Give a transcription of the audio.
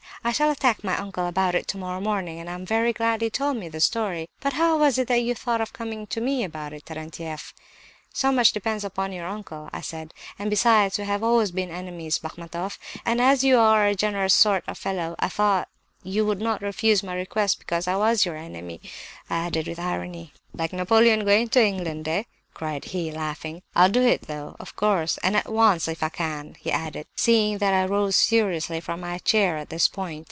'I shall attack my uncle about it tomorrow morning, and I'm very glad you told me the story. But how was it that you thought of coming to me about it, Terentieff?' "'So much depends upon your uncle,' I said. 'And besides we have always been enemies, Bachmatoff; and as you are a generous sort of fellow, I thought you would not refuse my request because I was your enemy!' I added with irony. "'Like Napoleon going to England, eh?' cried he, laughing. 'I'll do it though—of course, and at once, if I can!' he added, seeing that I rose seriously from my chair at this point.